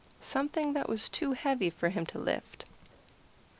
Something that was too heavy for him to lift.